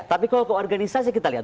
tapi kalau ke organisasi kita lihat